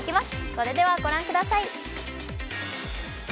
それではご覧ください。